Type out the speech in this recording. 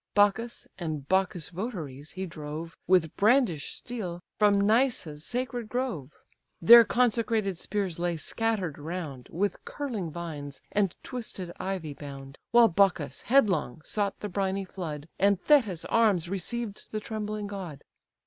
Bacchus, and Bacchus' votaries, he drove, With brandish'd steel, from Nyssa's sacred grove: Their consecrated spears lay scatter'd round, With curling vines and twisted ivy bound; While Bacchus headlong sought the briny flood, And Thetis' arms received the trembling god.